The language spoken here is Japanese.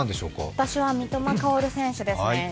私は三笘薫選手ですね。